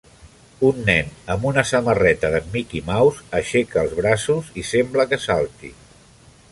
Un nen amb una samarreta d'en Mickey Mouse aixeca els braços i sembla que salti